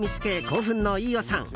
興奮の飯尾さん。